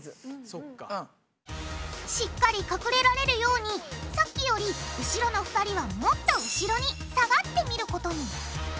しっかり隠れられるようにさっきより後ろの２人はもっと後ろに下がってみることに！